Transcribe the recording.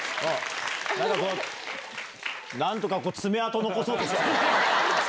何か何とか爪痕残そうとしてた。